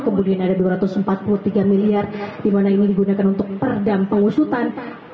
kemudian ada dua ratus empat puluh tiga miliar di mana ini digunakan untuk perdam pengusutan